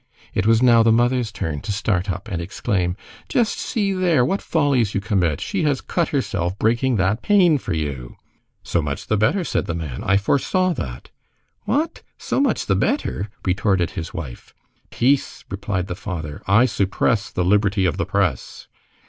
It was now the mother's turn to start up and exclaim:— "Just see there! What follies you commit! She has cut herself breaking that pane for you!" "So much the better!" said the man. "I foresaw that." "What? So much the better?" retorted his wife. "Peace!" replied the father, "I suppress the liberty of the press."